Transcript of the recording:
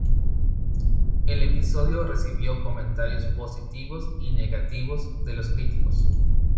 El episodio recibió comentarios positivos y negativos de los críticos.